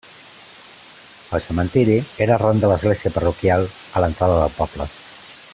El cementiri era ran de l'església parroquial, a l'entrada del poble.